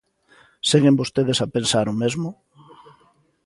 ¿Seguen vostedes a pensar o mesmo?